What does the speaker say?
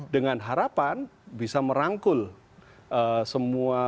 dengan harapan bisa merangkul semua